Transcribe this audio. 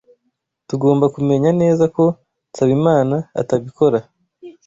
Tugomba kumenya neza ko Nsabimana atabikora.